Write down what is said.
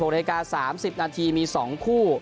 ๖นาฬิกา๓๐นาทีมี๒คู่